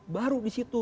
baru di situ